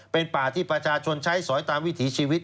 เป็นป่าที่ประชาชนใช้สอยตามวิถีชีวิต